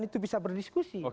itu bisa berdiskusi